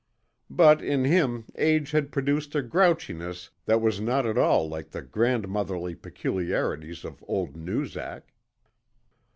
But in him age had produced a grouchiness that was not at all like the grandmotherly peculiarities of old Noozak.